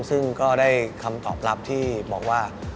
ซึ่งก็ได้คำตอบรับที่บอกว่า